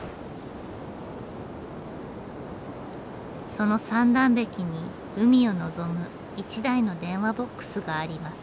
その三段壁に海を臨む一台の電話ボックスがあります。